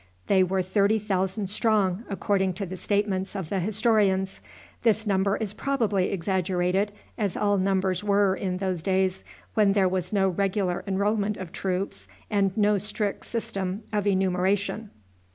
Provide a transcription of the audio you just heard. They were thirty thousand strong, according to the statements of the historians. This number is probably exaggerated, as all numbers were in those days, when there was no regular enrollment of troops and no strict system of enumeration.